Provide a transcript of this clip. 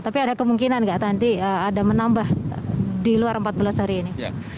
tapi ada kemungkinan nggak nanti ada menambah di luar empat belas hari ini